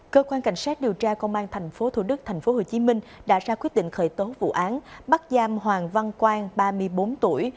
cơ quan cảnh sát điều tra công an tp thủ đức tp hcm đã ra quyết định khởi tố vụ án bắt giam hoàng văn quang ba mươi bốn tuổi